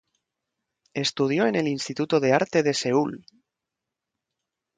Estudió en el Instituto de Arte de Seúl.